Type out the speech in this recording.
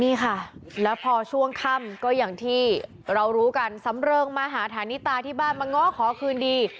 นี่ค่ะแล้วพอช่วงค่ำก็อย่างที่เรารู้กันสำเริงมาหาฐานิตาที่บ้านมาง้อขอคืนดี